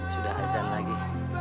sudah azan lagi